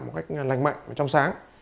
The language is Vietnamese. một cách lành mạnh và trong sáng